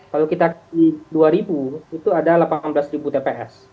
kalau kita di dua ribu itu ada delapan belas tps